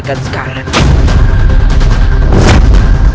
kita selesaikan sekarang